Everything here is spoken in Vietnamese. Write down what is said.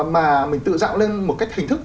mà mình tự dạo lên một cách hình thức